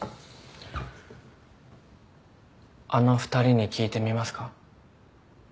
あの２人に聞いてみますか。